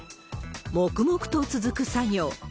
黙々と続く作業。